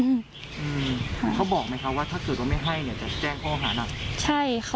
เขาบอกไหมคะว่าถ้าเกิดว่าไม่ให้เนี่ยจะแจ้งโฆษณ์อะ